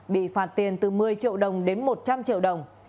bị phạt tiền từ một mươi triệu đồng đến một trăm linh triệu đồng